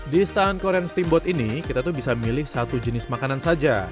di stand korean steamboat ini kita tuh bisa milih satu jenis makanan saja